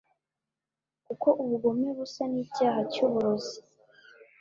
kuko ubugome busa n icyaha cy uburozi